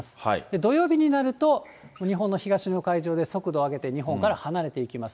土曜日になると、日本の東の海上で速度を上げて、日本から離れていきます。